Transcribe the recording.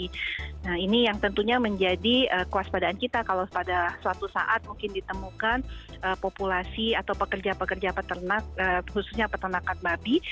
nah ini yang tentunya menjadi kewaspadaan kita kalau pada suatu saat mungkin ditemukan populasi atau pekerja pekerja peternak khususnya peternakan babi